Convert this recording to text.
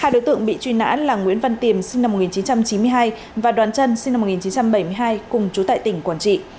hai đối tượng bị truy nã là nguyễn văn tiềm sinh năm một nghìn chín trăm chín mươi hai và đoàn chân sinh năm một nghìn chín trăm bảy mươi hai cùng chú tại tỉnh quảng trị